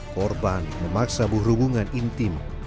korban memaksa berhubungan intim